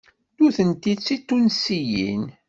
Nutenti d Titunsiyin.